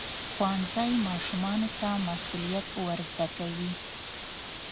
ښوونځی ماشومانو ته مسؤلیت ورزده کوي.